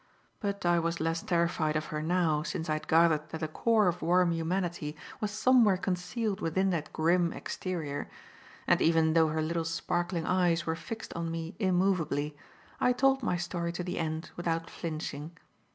But I was less terrified of her now since I had gathered that a core of warm humanity was somewhere concealed within that grim exterior; and even though her little sparkling eyes were fixed on me immovably, I told my story to the end without flinching.